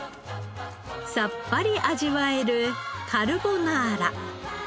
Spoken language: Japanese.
さっぱり味わえるカルボナーラ。